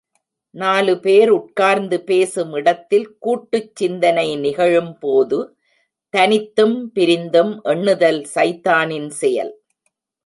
நாலுபேர் உட்கார்ந்து பேசும் இடத்தில் கூட்டுச் சிந்தனை நிகழும் போது தனித்தும் பிரிந்தும் எண்ணுதல் சைத்தானின் செயல்.